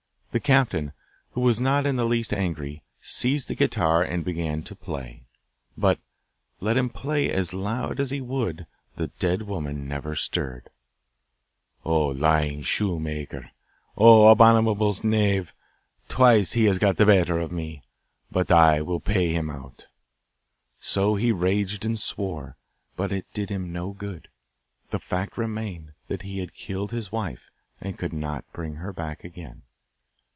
The captain, who was not in the least angry, seized the guitar and began to play; but, let him play as loud as he would, the dead woman never stirred. 'Oh, lying shoemaker! Oh, abominable knave! Twice has he got the better of me. But I will pay him out!' So he raged and swore, but it did him no good. The fact remained that he had killed his wife and could not bring her back again.